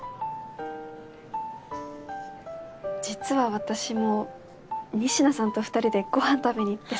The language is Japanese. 実は私も仁科さんと２人でごはん食べに行ってさ。